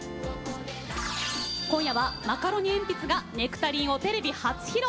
今夜は、マカロニえんぴつが「ネクタリン」をテレビ初披露。